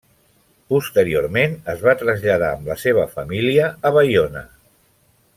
Posteriorment es va traslladar amb la seva família a Baiona.